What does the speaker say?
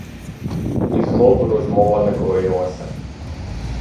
І знов розмова не клеїлася.